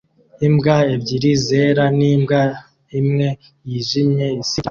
imbwa ebyiri zera n'imbwa imwe yijimye isimbukira mu mwanda